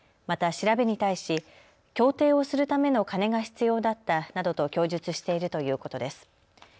また調べに対し競艇をするための金が必要だったなどと供述しているということです。